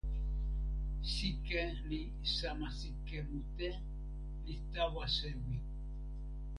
sike li sama sike mute, li tawa sewi.